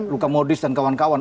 luka modis dan kawan kawan